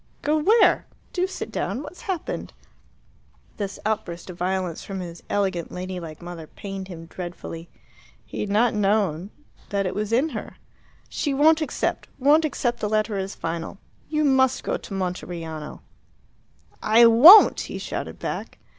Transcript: "Go where? Do sit down. What's happened?" This outburst of violence from his elegant ladylike mother pained him dreadfully. He had not known that it was in her. "She won't accept won't accept the letter as final. You must go to Monteriano!" "I won't!" he shouted back.